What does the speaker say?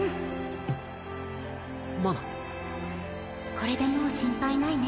これでもう心配ないね。